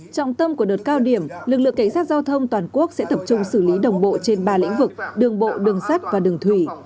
trọng tâm của đợt cao điểm lực lượng cảnh sát giao thông toàn quốc sẽ tập trung xử lý đồng bộ trên ba lĩnh vực đường bộ đường sắt và đường thủy